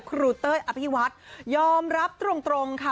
ครูเต้อร์อภิวัฒน์ยอมรับตรงค่ะ